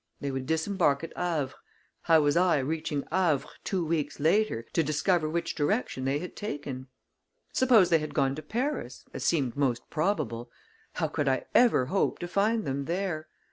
They would disembark at Havre how was I, reaching Havre, two weeks later, to discover which direction they had taken? Suppose they had gone to Paris, as seemed most probable, how could I ever hope to find them there?